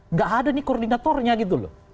nggak ada nih koordinatornya gitu loh